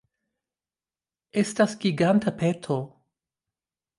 Estas giganta peto